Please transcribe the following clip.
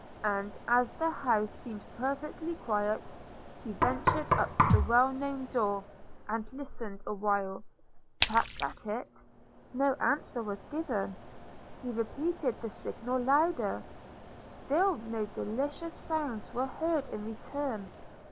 As the house seemed perfectly quiet, he ventured up to the well known door, and, listening awhile, tapped at it; no answer was given! – he repeated the signal louder; still no delicious sounds were heard in return!